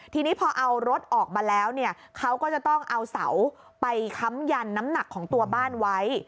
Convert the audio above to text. ทีนี้พอเอารถออกมาแล้วเนี่ยเขาก็จะต้องเอาเสาไปค้ำยันน้ำหนักของตัวบ้านไว้